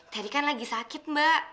tadi kan lagi sakit mbak